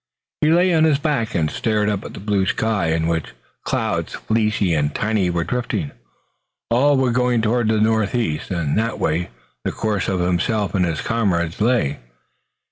He lay on his back and stared up at the blue sky, in which clouds fleecy and tiny were drifting. All were going toward the northeast and that way the course of himself and his comrades lay.